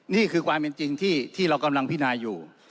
นี่คือความเป็นจริงที่เรากำลังพินาอยู่